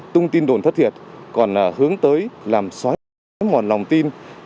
tung tin đồn thất thiệt còn hướng tới làm xóa ngọn lòng tin